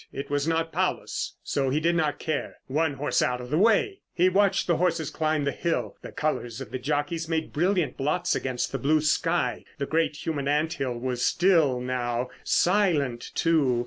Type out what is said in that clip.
It was not Paulus, so he did not care. One horse out of the way! He watched the horses climb the hill, the colours of the jockeys made brilliant blots against the blue sky. The great human ant hill was still now, silent, too.